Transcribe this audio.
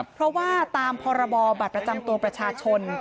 เพราะว่าตามพรบบัตรประจำตัวประชาชน